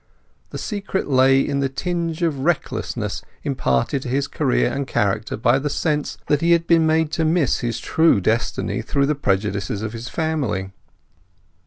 The secret lay in the tinge of recklessness imparted to his career and character by the sense that he had been made to miss his true destiny through the prejudices of his family.